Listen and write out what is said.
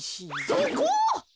そこ？